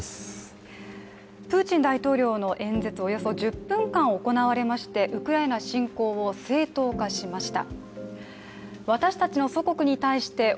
プーチン大統領の演説、およそ１０分間行われましてウクライナ侵攻を正当化しました。